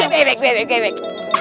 bebek bebek bebek